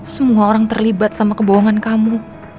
semua orang terlibat sama kebohongan kamu